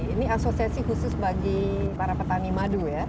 ini asosiasi khusus bagi para petani madu ya